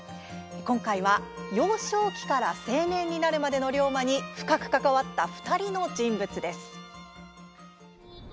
今回は、幼少期から青年になるまでの龍馬に深く関わった２人の人物です。